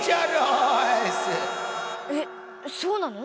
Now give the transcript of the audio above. えっそうなの？